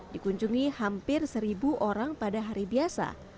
dikunjungi hampir seribu orang pada hari biasa